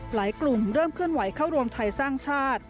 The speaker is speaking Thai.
กลุ่มเริ่มเคลื่อนไหวเข้ารวมไทยสร้างชาติ